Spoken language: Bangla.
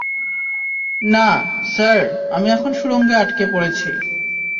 না, স্যার, আমি এখন সুরঙ্গে আটকে পড়েছি।